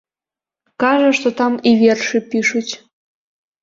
Кажа, што там і вершы пішуць.